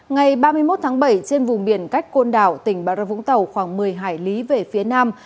ngày ba mươi một tháng bảy trên vùng biển cách côn đảo tỉnh bà râu vũng tàu khoảng một mươi hải lý về phía nam